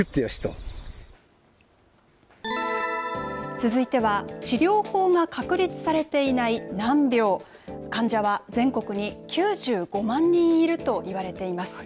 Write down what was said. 続いては、治療法が確立されていない難病、患者は全国に９５万人いるといわれています。